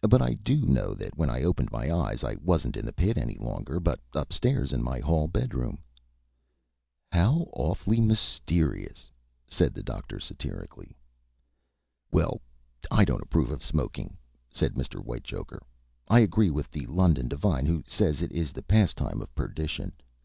"But I do know that when I opened my eyes I wasn't in the pit any longer, but up stairs in my hall bedroom." "How awfully mysterious!" said the Doctor, satirically. "Well, I don't approve of smoking," said Mr. Whitechoker. "I agree with the London divine who says it is the pastime of perdition.